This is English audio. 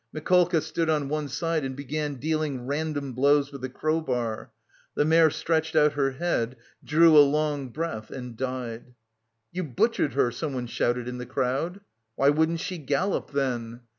Mikolka stood on one side and began dealing random blows with the crowbar. The mare stretched out her head, drew a long breath and died. "You butchered her," someone shouted in the crowd. "Why wouldn't she gallop then?"